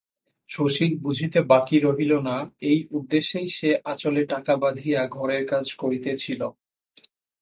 শশীর বুঝিতে বাকি রহিল না এই উদ্দেশ্যেই সে আঁচলে টাকা বাধিয়া ঘরের কাজ করিতেছিল।